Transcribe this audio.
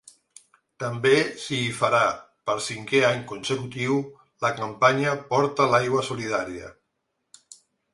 També s’hi farà, per cinquè any consecutiu, la campanya “Porta l’aigua solidària”.